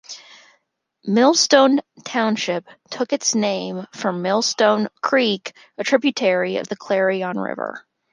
Millstone Township took its name from Millstone Creek, a tributary of the Clarion River.